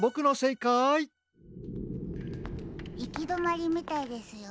いきどまりみたいですよ。